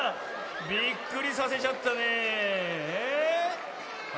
びっくりさせちゃったねえ。